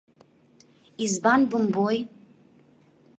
Избан бымбои.